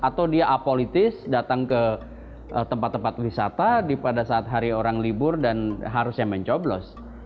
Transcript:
atau dia apolitis datang ke tempat tempat wisata pada saat hari orang libur dan harusnya mencoblos